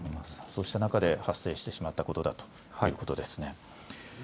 そうした中で発生してしまったことだということですね。